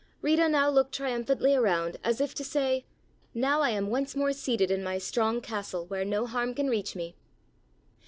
Rita now looked triumphantly around as if to say: "Now I am once more seated in my strong castle where no harm can reach me!"